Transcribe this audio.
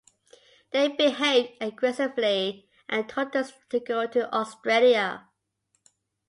They behaved aggressively and told us to go to Australia.